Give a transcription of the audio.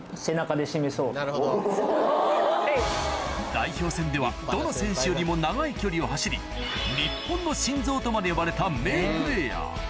代表戦ではどの選手よりも長い距離を走りとまで呼ばれた名プレーヤー